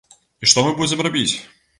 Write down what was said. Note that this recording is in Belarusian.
І што мы будзем рабіць?